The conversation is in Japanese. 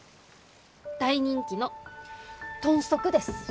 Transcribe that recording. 大人気の豚足です。